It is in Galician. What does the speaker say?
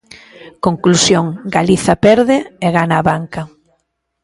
Conclusión: Galiza perde e gana a banca.